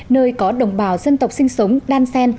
nơi có đồng bào dân tộc sinh sống đan sen